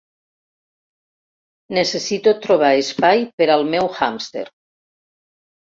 Necessito trobar espai per al meu hàmster